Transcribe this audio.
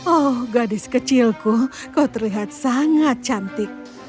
oh gadis kecilku kau terlihat sangat cantik